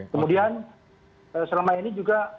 kemudian selama ini juga